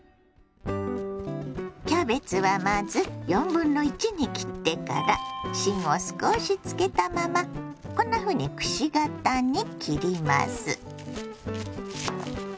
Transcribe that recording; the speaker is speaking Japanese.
キャベツはまず1/4に切ってから芯を少しつけたままこんなふうにくし形に切ります。